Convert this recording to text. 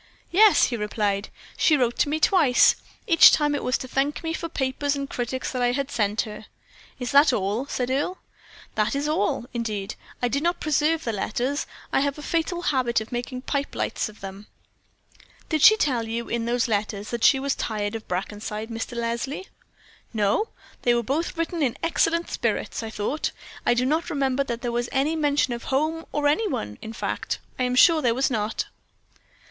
"Yes," he replied, "she wrote to me twice; each time it was to thank me for papers and critics that I had sent her." "That is all?" said Earle. "That is all, indeed. I did not preserve the letters. I have a fatal habit of making pipe lights of them." "Did she tell you, in those letters, that she was tired of Brackenside, Mr. Leslie?" "No, they were both written in excellent spirits, I thought. I do not remember that there was any mention of home or any one; in fact, I am sure there was not."